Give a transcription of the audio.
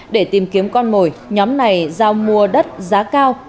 để tìm kiếm con mồi nhóm này giao mua đất giá cao